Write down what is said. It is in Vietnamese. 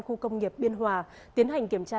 khu công nghiệp biên hòa tiến hành kiểm tra